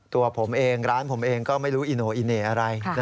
ตัวผมเองร้านผมเองก็ไม่รู้อิโนอิเน่อะไร